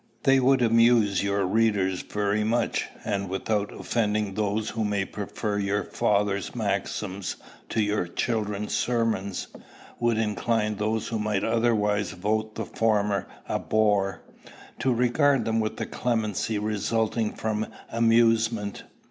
They would amuse your readers very much, and, without offending those who may prefer your father's maxims to your children's sermons, would incline those who might otherwise vote the former a bore, to regard them with the clemency resulting from amusement."